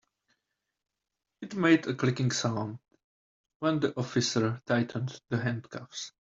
It made a clicking sound when the officer tightened the handcuffs.